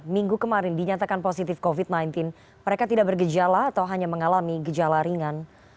minggu kemarin dinyatakan positif covid sembilan belas mereka tidak bergejala atau hanya mengalami gejala ringan